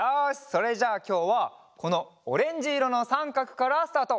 それじゃあきょうはこのオレンジいろのさんかくからスタート。